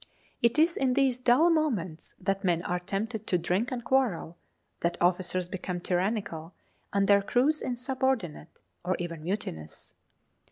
It is in these dull moments that men are tempted to drink and quarrel, that officers become tyrannical, and their crews insubordinate, or even mutinous.